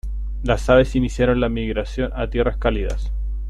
Las aves iniciaron la migración a tierras cálidas.